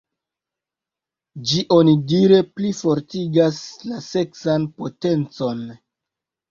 Ĝi onidire plifortigas la seksan potencon.